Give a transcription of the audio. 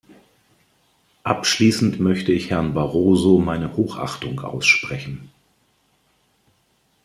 Abschließend möchte ich Herrn Barroso meine Hochachtung aussprechen.